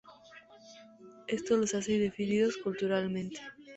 Esto los hace indefinidos culturalmente.